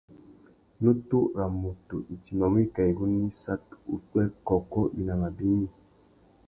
Nutu râ mutu i timbamú wikā igunú issat, upwê, kôkô, winama bignï.